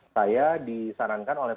saya disarankan oleh